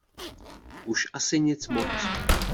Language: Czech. Už asi nic moc.